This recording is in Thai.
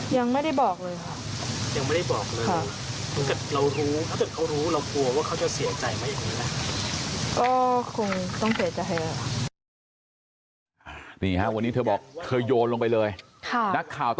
ยังไม่ได้บอกเลยค่ะ